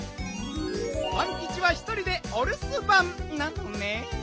パンキチはひとりでおるすばんなのねん。